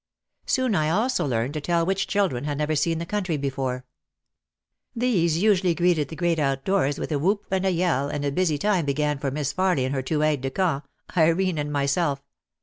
Soon I also learned to tell which children had never seen the country before. These usually greeted the great out doors with a whoop and a yell and a busy time began for Miss Farly and her two aid de camps, Irene and my self.